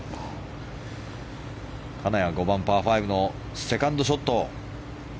金谷、５番、パー５のセカンドショット。